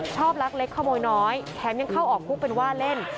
ลักเล็กขโมยน้อยแถมยังเข้าออกคุกเป็นว่าเล่น